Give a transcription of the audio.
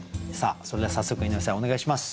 それでは早速井上さんお願いします。